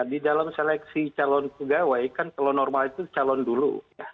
di dalam seleksi calon pegawai kan kalau normal itu calon dulu